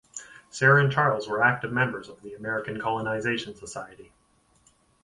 Sarah and Charles were active members of the American Colonization Society.